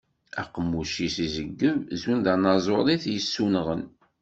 Aqemmuc-is izeyyeb, zun d anaẓur i t-yessunɣen.